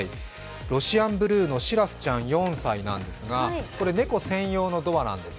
ロシアンブルーのしらすちゃん４歳なんですが、これ、猫専用のドアなんです。